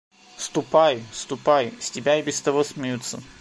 – Ступай! ступай! с тебя и без того смеются!